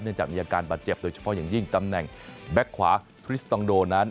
จากมีอาการบาดเจ็บโดยเฉพาะอย่างยิ่งตำแหน่งแบ็คขวาคริสตองโดนั้น